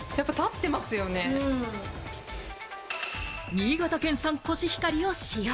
新潟県産コシヒカリを使用。